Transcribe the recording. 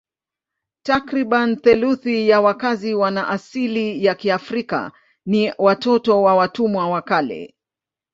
Takriban theluthi ya wakazi wana asili ya Kiafrika ni watoto wa watumwa wa kale.